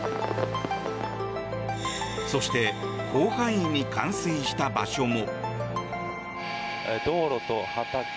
そして広範囲に冠水した場所も。